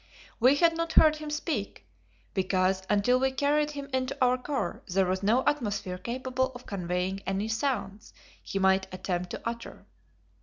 We had not heard him speak, because until we carried him into our car there was no atmosphere capable of conveying any sounds he might attempt to utter.